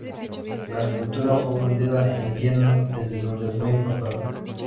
La escultura fue fundida en Viena, desde donde fue importada.